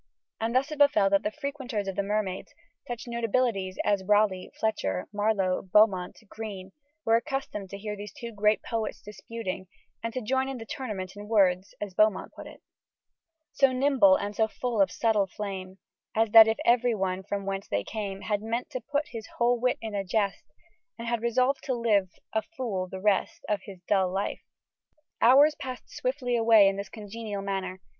And thus it befell that the frequenters of the Mermaid such notabilities as Raleigh, Fletcher, Marlowe, Beaumont, Greene, were accustomed to hear these two great poets disputing, and to join the tournament, in words (as Beaumont put it) So nimble and so full of subtle flame, As if that everyone from whence they came Had meant to put his whole wit in a jest, And had resolved to live a fool the rest Of his dull life. Hours passed swiftly away in this congenial manner.